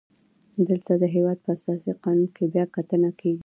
دلته د هیواد په اساسي قانون بیا کتنه کیږي.